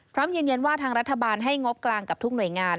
พร้อมยืนยันว่าทางรัฐบาลให้งบกลางกับทุกหน่วยงาน